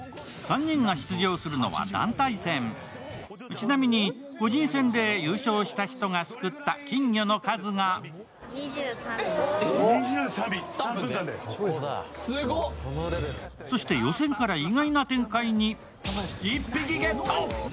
ちなみに個人戦で優勝した人がすくった金魚の数がそして、予選から意外な展開に。